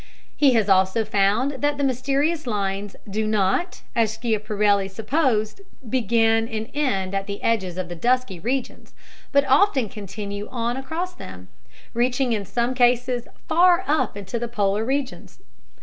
He has also found that the mysterious lines do not, as Schiaparelli supposed, begin and end at the edges of the dusky regions, but often continue on across them, reaching in some cases far up into the polar regions.